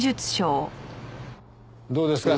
どうですか？